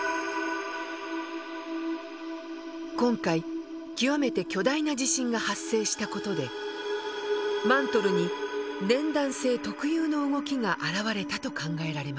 今回極めて巨大な地震が発生した事でマントルに粘弾性特有の動きが現れたと考えられます。